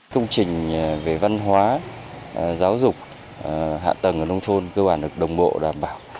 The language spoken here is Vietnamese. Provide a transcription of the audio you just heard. công trình về văn hóa giáo dục hạ tầng ở nông thôn cơ bản được đồng bộ đảm bảo